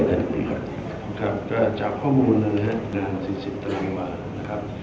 ครับก็จากข้อมูลนะครับงาน๔๐ตารางกว่านะครับ